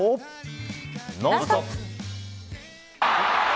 「ノンストップ！」。